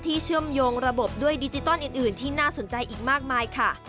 เชื่อมโยงระบบด้วยดิจิตอลอื่นที่น่าสนใจอีกมากมายค่ะ